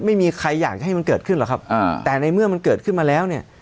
ไม่มีใครอยากจะให้มันเกิดขึ้นหรอกครับอ่าแต่ในเมื่อมันเกิดขึ้นมาแล้วเนี่ย